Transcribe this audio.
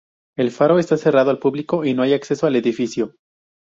El faro está cerrado al público y no hay acceso al edificio.